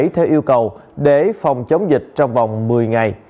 theo yêu cầu để phòng chống dịch trong vòng một mươi ngày